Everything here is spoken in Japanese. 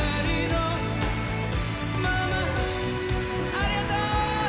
ありがとう！